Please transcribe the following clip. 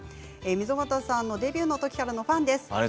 溝端さん、デビューのときからのファンです。